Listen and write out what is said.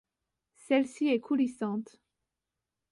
Celle-ci est coulissante.